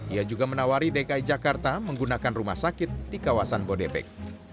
ia juga menawari dki jakarta menggunakan rumah sakit di kawasan bodebek